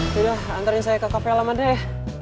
yaudah antarin saya ke cafe alamanda ya